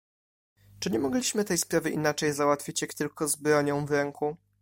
"Czy nie mogliśmy tej sprawy inaczej załatwić, jak tylko z bronią w ręku?"